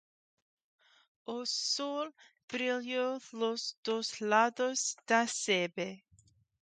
O sol brilha nos dois lados da sebe.